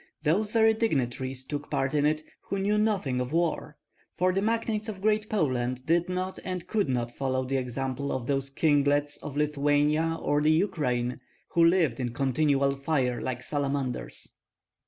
Those very dignitaries took part in it who knew nothing of war; for the magnates of Great Poland did not and could not follow the example of those "kinglets" of Lithuania or the Ukraine who lived in continual fire like salamanders.